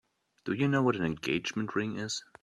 Do you know what an engagement ring is?